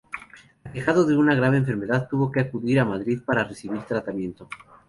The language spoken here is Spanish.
Aquejado de una grave enfermedad tuvo que acudir a Madrid para recibir tratamiento.